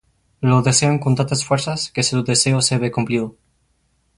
Lo desean con tantas fuerzas que su deseo se ve cumplido.